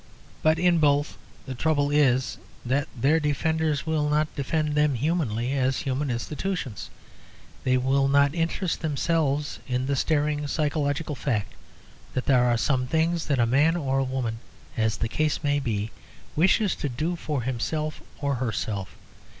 But in both the trouble is that their defenders will not defend them humanly as human institutions. They will not interest themselves in the staring psychological fact that there are some things that a man or a woman, as the case may be, wishes to do for himself or herself.